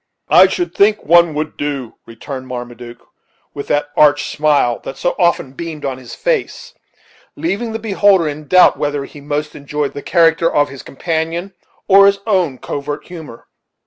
"I should think one would do," returned Marmaduke, with that arch smile that so often beamed on his face; leaving the beholder in doubt whether he most enjoyed the character of his companion or his own covert humor.